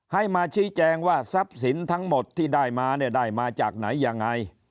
ให้มาชี้แจงว่าทรัพย์สินทั้งหมดที่ได้มาเนี่ยได้มาจากไหนยังไง